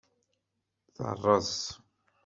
Teṛṛeẓ.